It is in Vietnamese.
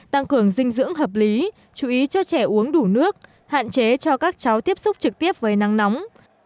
tăng cường dinh dưỡng hợp lý chú ý cho trẻ uống đủ nước hạn chế cho các cháu tiếp xúc trực tiếp với nắng nóng